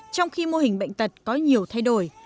trong khi mô hình bệnh tật có nhiều thay đổi